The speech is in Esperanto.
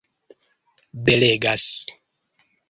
belegas